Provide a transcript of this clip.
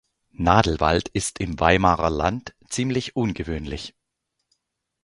Nadelwald ist im Weimarer Land ziemlich ungewöhnlich.